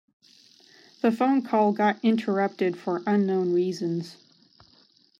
The phone call got interrupted for unknown reasons.